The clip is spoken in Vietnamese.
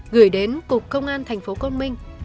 gửi đến cục công an tp công minh